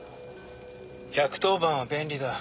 １１０番は便利だ